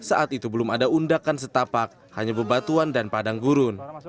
saat itu belum ada undakan setapak hanya bebatuan dan padang gurun